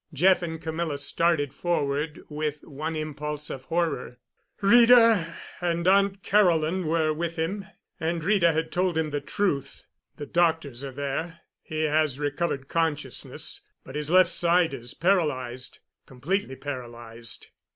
Jeff and Camilla started forward with one impulse of horror. "Rita and Aunt Caroline were with him, and Rita had told him the truth—the doctors are there—he has recovered consciousness, but his left side is paralyzed, completely paralyzed."